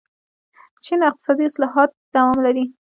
چین اقتصادي اصلاحات دوام لري.